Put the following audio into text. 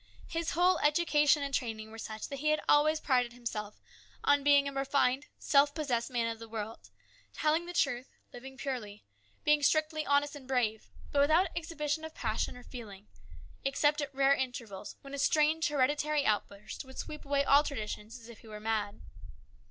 His whole education and training were such that he had always prided himself on being a refined, self possessed man of the world, telling the truth, living purely, being strictly honest and brave, but without exhibition of passion or feeling, except at rare intervals when a strange, hereditary outburst would sweep away all traditions as if he were mad.